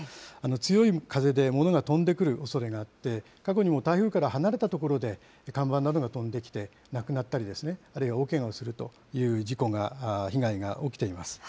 強い風で物が飛んでくるおそれがあって、過去にも台風から離れた所で、看板などが飛んできて、亡くなったりですね、あるいは大けがをするという事故が、被害が起きています。